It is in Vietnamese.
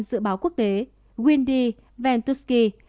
dự báo quốc tế windy ventuski